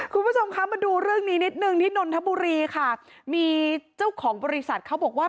คุณผู้ชมคะมาดูเรื่องนี้นิดนึงที่นนทบุรีค่ะมีเจ้าของบริษัทเขาบอกว่า